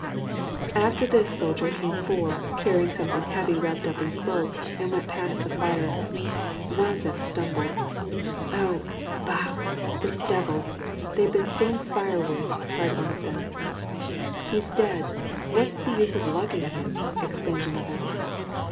After this soldier came four, cariying something heavy wrapped up in a cloak, and went past the fire. One of them stumbled. " Oh, bah ! the devils I they've been spilling fire wood," cried one of them. " He's dead ! what's the use of lugging him ?" exclaimed another.